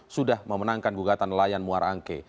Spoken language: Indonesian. sudah memenangkan gugatan layan muar angke